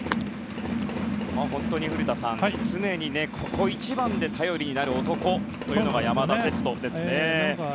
本当に古田さん、常にここ一番で頼りになる男というのが山田哲人ですね。